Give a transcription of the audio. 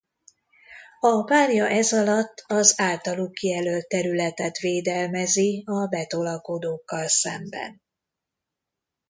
A párja ezalatt az általuk kijelölt területet védelmezi a betolakodókkal szemben.